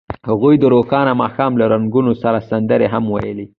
هغوی د روښانه ماښام له رنګونو سره سندرې هم ویلې.